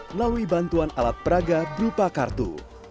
melalui bantuan alat peraga berupa kartu